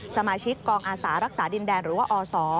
สมาชิกกองอาสารักษาดินแดนหรือว่าอศ